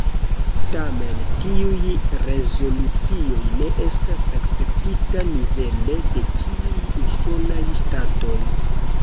Tamen tiuj rezolucioj ne estas akceptita nivele de ĉiuj usonaj ŝtatoj.